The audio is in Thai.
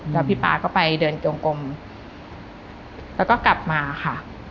แล้วพี่ป๊าก็ไปเดินจงกลมแล้วก็กลับมาค่ะ